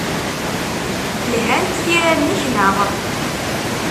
Lhant tira-nnek, naɣ?